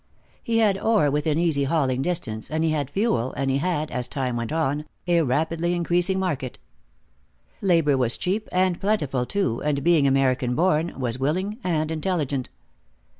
He had ore within easy hauling distance, and he had fuel, and he had, as time went on, a rapidly increasing market. Labor was cheap and plentiful, too, and being American born, was willing and intelligent.